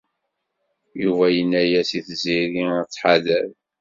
Yuba yenna-as i Tiziri ad tḥader.